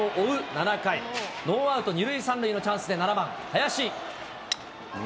７回、ノーアウト２塁３塁のチャンスで７番林。